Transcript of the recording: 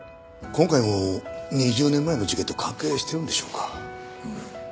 今回も２０年前の事件と関係してるんでしょうか？